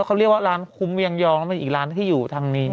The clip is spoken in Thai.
เขาเรียกว่าร้านคุ้มเวียงยองแล้วเป็นอีกร้านที่อยู่ทางนี้